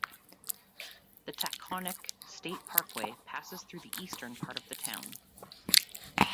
The Taconic State Parkway passes through the eastern part of the town.